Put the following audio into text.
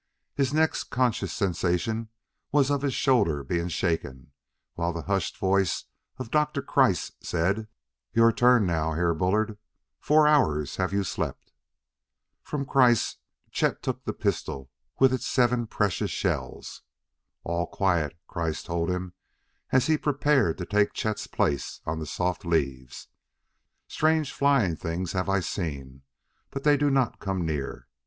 His next conscious sensation was of his shoulder being shaken, while the hushed voice of Doctor Kreiss said: "Your turn now, Herr Bullard; four hours have you slept." From Kreiss, Chet took the pistol with its seven precious shells. "All quiet," Kreiss told him as he prepared to take Chet's place on the soft leaves; "strange, flying things have I seen, but they do not come near.